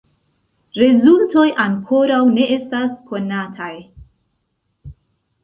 Rezultoj ankoraŭ ne estas konataj.